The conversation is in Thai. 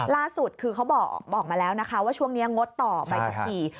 ล่าสุดคือเขาบอกมาแล้วนะคะว่าช่วงนี้งดต่อใบขับขี่